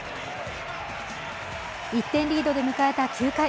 １点リードで迎えた９回。